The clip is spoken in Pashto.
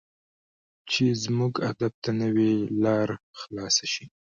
چې زموږ ادب ته نوې لار خلاصه شي.